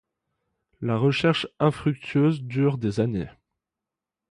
La recherche infructueuse dure des années.